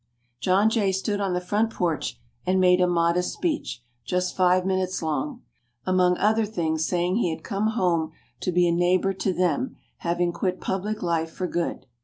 John Jay stood on the front porch and made a modest speech just five minutes long, among other things saying he had come home to be a neighbor to them, having quit public life for good.